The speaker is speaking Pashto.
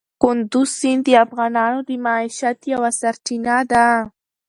کندز سیند د افغانانو د معیشت یوه سرچینه ده.